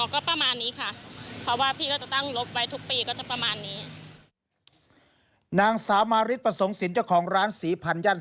ก็แล้วแต่เนอะส่วนมากก็มีสี่ห้าร้อย